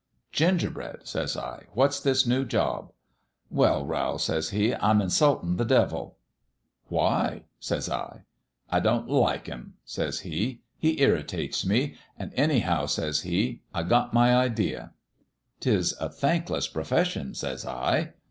"' Gingerbread,' says I, 'what's this new job?' '"Well, Rowl,' says he, 'I'm insultin' the devil.' "'Why?' says I. 196 A LITTLE ABOUT LIFE "' I don't like him,' says he. * He irritates me. An' anyhow,' says he, * I got my idea.' "' 'Tis a thankless profession,' says I.